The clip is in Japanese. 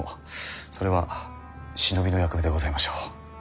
それは忍びの役目でございましょう。